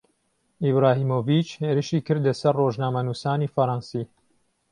ئیبراهیمۆڤیچ هێرشی كرده سهر رۆژنامهونووسانی فهرهنسی